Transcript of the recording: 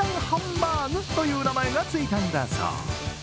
ハンバーグという名前が付いたんだそう。